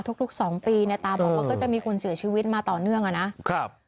ทุกสองปีเนี่ยตาบอกว่าก็จะมีคนเสียชีวิตมาต่อเนื่องอ่ะนะครับ